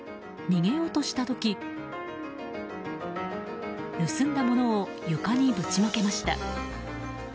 逃げようとした時盗んだものを床にぶちまけました。